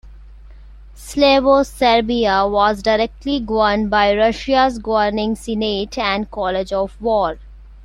Slavo-Serbia was directly governed by Russia's Governing Senate and College of War.